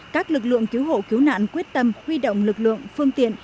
các lực lượng cứu hộ cứu nạn quyết tâm huy động lực lượng phương tiện